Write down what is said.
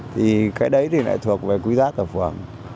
thì cái đấy thì lại thuộc về quy giác của phường